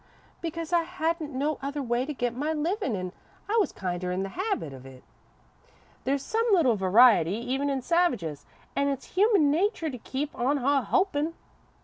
"Because I hadn't no other way to get my livin' an' I was kinder in the habit of it. There's some little variety, even in savages, an' it's human natur' to keep on a hopin.'